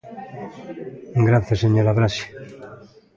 Grazas, señora Braxe.